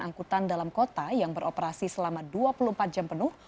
angkutan dalam kota yang beroperasi selama dua puluh empat jam penuh